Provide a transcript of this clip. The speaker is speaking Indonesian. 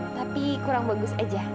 tapi kurang bagus aja